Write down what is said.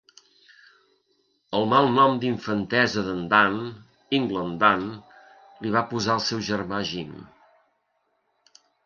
El malnom d'infantesa d'en Dan "England Dan" l'hi va posar el seu germà Jim.